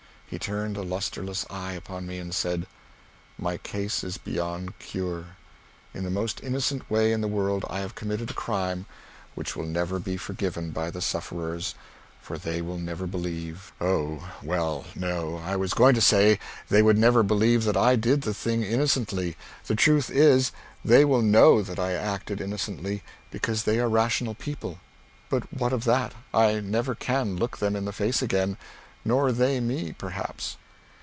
He turned a lustreless eye upon me and said: "My case is beyond cure. In the most innocent way in the world I have committed a crime which will never be forgiven by the sufferers, for they will never believe oh, well, no, I was going to say they would never believe that I did the thing innocently. The truth is they will know that I acted innocently, because they are rational people; but what of that? I never can look them in the face again nor they me, perhaps."